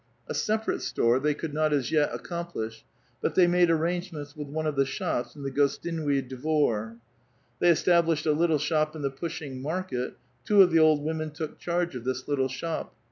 A separate store they could not as yet accom pUsli ; but they made arrangements with one of the shops in the Gostinui Dvor. They established a little shop in the Pushing Market ; two of the old women took charge of this little shop.